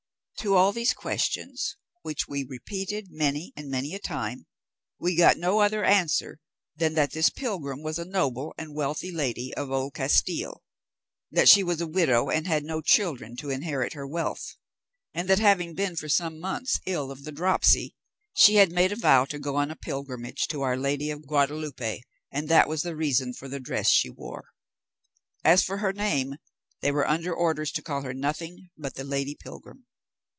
To all these questions, which we repeated many and many a time, we got no other answer than that this pilgrim was a noble and wealthy lady of old Castile, that she was a widow, and had no children to inherit her wealth; and that having been for some months ill of the dropsy, she had made a vow to go on a pilgrimage to our Lady of Guadalupe, and that was the reason for the dress she wore. As for her name, they were under orders to call her nothing but the lady pilgrim.